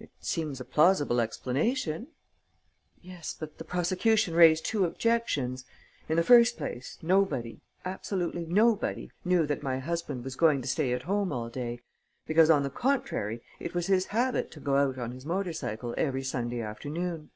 "It seems a plausible explanation." "Yes, but the prosecution raised two objections. In the first place, nobody, absolutely nobody, knew that my husband was going to stay at home all day, because, on the contrary, it was his habit to go out on his motor cycle every Sunday afternoon."